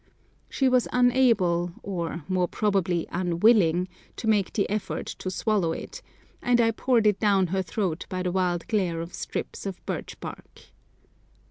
She was unable, or more probably unwilling, to make the effort to swallow it, and I poured it down her throat by the wild glare of strips of birch bark.